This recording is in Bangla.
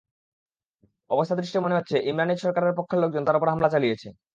অবস্থাদৃষ্টে মনে হচ্ছে, ইমরান এইচ সরকারের পক্ষের লোকজন তাঁর ওপর হামলা চালিয়েছে।